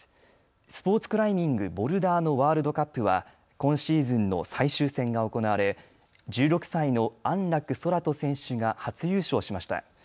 スポーツクライミング、ボルダーのワールドカップは今シーズンの最終戦が行われ１６歳の安楽宙斗選手が初優勝しました。